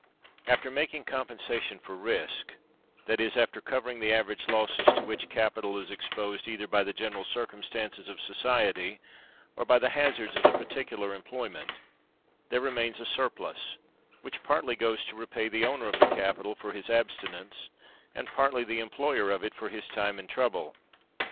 After making compensation for risk, that is, after covering the average losses to which capital is exposed either by the general circumstances of society or by the hazards of the particular employment, there remains a surplus, which partly goes to repay the owner of the capital for his abstinence, and partly the employer of it for his time and trouble.